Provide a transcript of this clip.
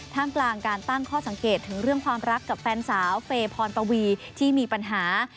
กลางการตั้งข้อสังเกตถึงเรื่องความรักกับแฟนสาวเฟย์พรปวีที่มีปัญหา